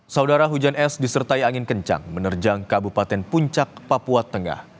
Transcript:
saudara hujan es disertai angin kencang menerjang kabupaten puncak papua tengah